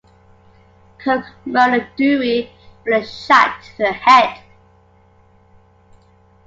Cook murdered Dewey with a shot to the head.